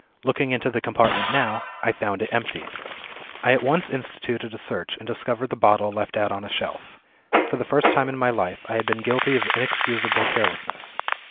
Looking into the compartment now, I found it empty. "I at once instituted a search, and discovered the bottle left out on a shelf. For the first time in my life, I had been guilty of inexcusable carelessness.